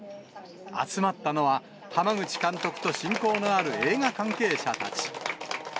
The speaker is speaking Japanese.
集まったのは、濱口監督と親交のある映画関係者たち。